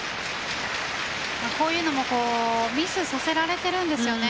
こういうのもミスさせられているんですよね。